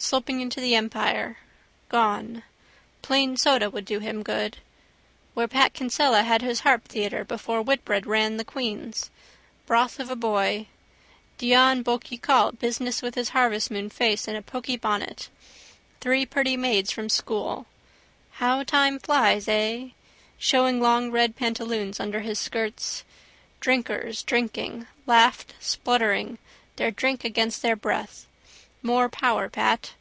Sloping into the Empire. Gone. Plain soda would do him good. Where Pat Kinsella had his Harp theatre before Whitbred ran the Queen's. Broth of a boy. Dion Boucicault business with his harvestmoon face in a poky bonnet. Three Purty Maids from School. How time flies, eh? Showing long red pantaloons under his skirts. Drinkers, drinking, laughed spluttering, their drink against their breath. More power, Pat.